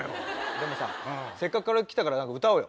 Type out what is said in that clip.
でもさせっかくカラオケ来たから何か歌おうよ。